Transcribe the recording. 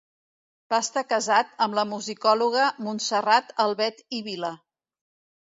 Va estar casat amb la musicòloga Montserrat Albet i Vila.